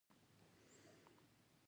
دوي به عربي او فارسي الفاظ د اجمېر